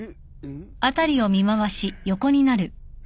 ん？